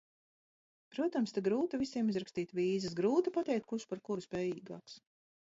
Protams, te grūti visiem izrakstīt vīzas, grūti pateikt, kurš par kuru spējīgāks.